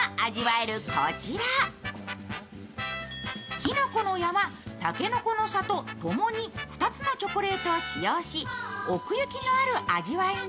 きのこの山、たけのこの里ともに２つのチョコレートを使用し奥行きのある味わいに。